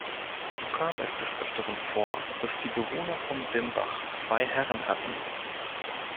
So kam es des Öfteren vor, dass die Bewohner von Dimbach zwei Herren hatten.